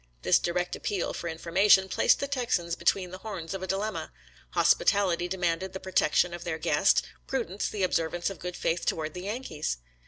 This direct appeal for in formation placed the Texans between the horns of a dilemma; hospitality demanded the protec tion of their guest — prudence, the observance of good faith toward the Yankees.